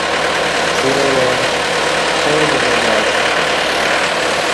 لے وار آو دی نہ گاتہ